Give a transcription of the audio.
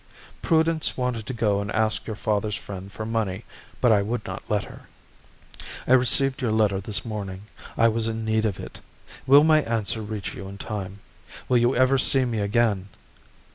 Prudence wanted to go and ask your father's friend for money, but I would not let her. I received your letter this morning. I was in need of it. Will my answer reach you in time? Will you ever see me again?